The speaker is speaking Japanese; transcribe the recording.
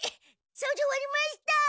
そうじ終わりました。